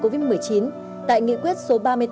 covid một mươi chín tại nghị quyết số ba mươi tám